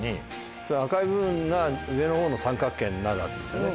つまり赤い部分が上の方の三角形になるわけですよね。